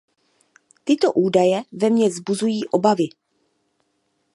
Tyto údaje ve mně vzbuzují obavy.